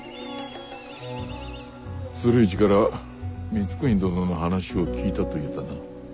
鶴市から光圀殿の話を聞いたと言うたな。